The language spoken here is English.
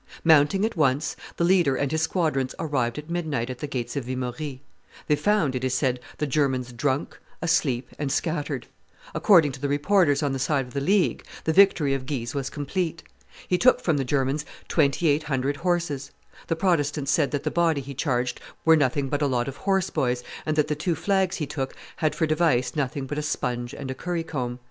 Mounting at once, the leader and his squadrons arrived at midnight at the gates of Vimory; they found, it is said, the Germans drunk, asleep, and scattered; according to the reporters on the side of the League, the victory of Guise was complete; he took from the Germans twenty eight hundred horses: the Protestants said that the body he charged were nothing but a lot of horse boys, and that the two flags he took had for device nothing but a sponge and a currycomb.